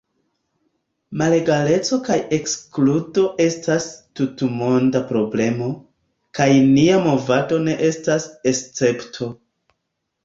Malegaleco kaj ekskludo estas tutmonda problemo, kaj nia movado ne estas escepto.